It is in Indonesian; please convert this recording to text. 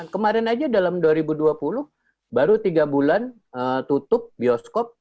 kemarin aja dalam dua ribu dua puluh baru tiga bulan tutup bioskop